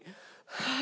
はあ。